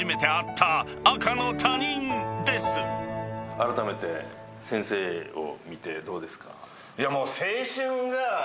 あらためて先生を見てどうですか？